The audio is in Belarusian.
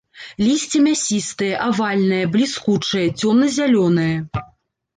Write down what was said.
Лісце мясістае, авальнае, бліскучае, цёмна-зялёнае.